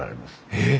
えっ！